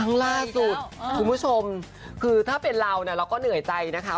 ครั้งล่าสุดคุณผู้ชมคือถ้าเป็นเราเนี่ยเราก็เหนื่อยใจนะคะ